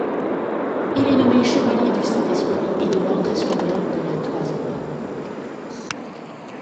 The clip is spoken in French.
Il est nommé chevalier du Saint-Esprit et de l'ordre espagnol de la Toison d'or.